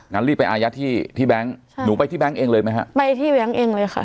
งั้นรีบไปอายัดที่แบงค์หนูไปที่แบงค์เองเลยไหมฮะไปที่แบงค์เองเลยค่ะ